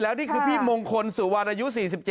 แล้วนี่คือพี่มงคลสุวรรณอายุ๔๗